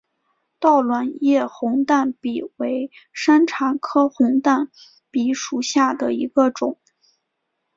倒卵叶红淡比为山茶科红淡比属下的一个种。